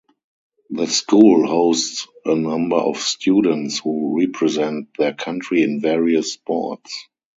The school hosts a number of students who represent their country in various sports.